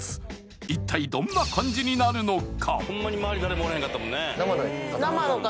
一体どんな感じになるのか？